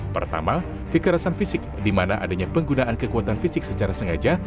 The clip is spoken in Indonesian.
pertama kekerasan fisik di mana adanya penggunaan kekuatan fisik secara sengaja